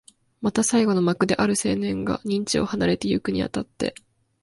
また最後の幕で、ある青年が任地を離れてゆくに当たって、